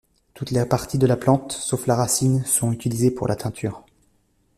Toutes les parties de la plante, sauf la racine, sont utilisées pour la teinture.